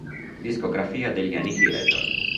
Discografia degli Annihilator